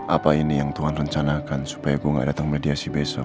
apa ini yang tuhan rencanakan supaya aku gak datang mediasi besok